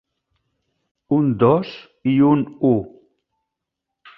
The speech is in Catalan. Un dos i un u.